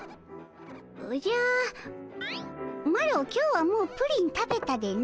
おじゃマロ今日はもうプリン食べたでの。